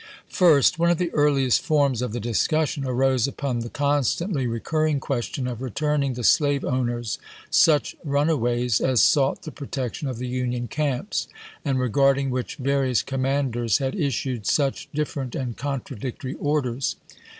First. One of the earliest forms of the discussion arose upon the constantly recuiTing question of returning to slave owners such runaways as sought the protection of the Union camps, and regarding which various commanders had issued such differ ent and contradictory orders.